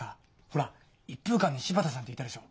ほら一風館に柴田さんっていたでしょ？